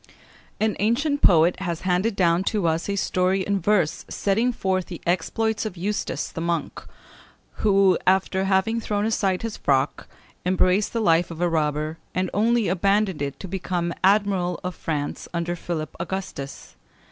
An ancient poet has handed down to us a story in verse setting forth the exploits of Eustace the monk, who, after having thrown aside his frock, embraced the life of a robber, and only abandoned it to become Admiral of France under Philip Augustus.